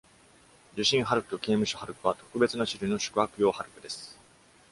受信ハルクと刑務所ハルクは、特別な種類の宿泊用ハルクです。